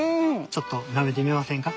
ちょっとなめてみませんか？